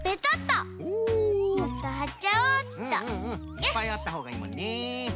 いっぱいあったほうがいいもんね。